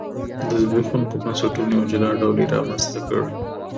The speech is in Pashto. د زبېښونکو بنسټونو یو جلا ډول یې رامنځته کړ.